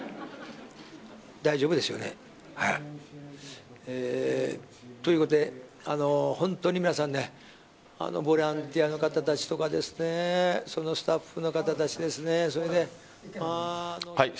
大丈夫ですよね。ということで本当に皆さんボランティアの方たちとかスタッフの方たち。